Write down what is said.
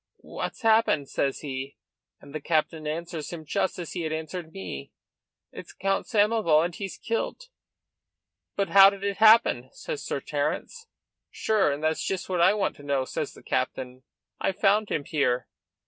'What's happened?' says he, and the captain answers him just as he had answered me: 'It's Count Samoval, and he's kilt. 'But how did it happen?' says Sir Terence. 'Sure and that's just what I want to know,' says the captain; 'I found him here.